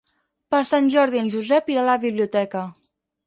Per Sant Jordi en Josep irà a la biblioteca.